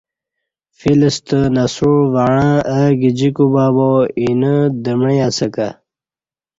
فیل ستہ نسوع وعݩہ اہ گجی کوبہ بہ اینہ دمیع اسہ کہ